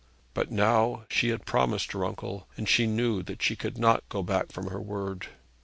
But now she had promised her uncle, and she knew that she could not go back from her word.